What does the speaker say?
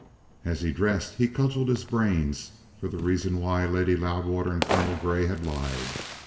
As he dressed he cudgelled his brains for the reason why Lady Loudwater and Colonel Grey had lied.